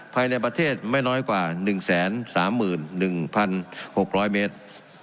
ภายในประเทศไม่น้อยกว่าหนึ่งแสนสามหมื่นหนึ่งพันหกร้อยเมตร